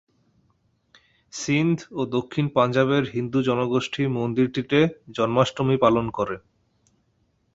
সিন্ধ ও দক্ষিণ পাঞ্জাবের হিন্দু জনগোষ্ঠী মন্দিরটিতে জন্মাষ্টমী পালন করে।